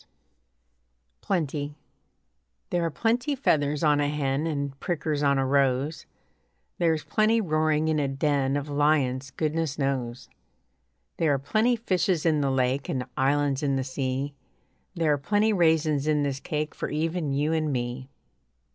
PLENTY There are plenty feathers on a hen And prickers on a rose, There is plenty roaring in a den Of lions, goodness knows; There are plenty fishes in the lake And islands in the sea; There are plenty raisins in this cake For even you and me.